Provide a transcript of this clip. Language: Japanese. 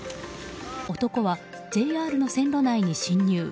男はＪＲの線路内に侵入。